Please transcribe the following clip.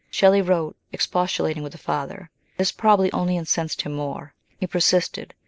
Shelley wrote, expostulating with the father. This probably only incensed him more. He persisted.